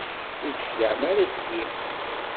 Ur d-tecliɛem ara seg-i.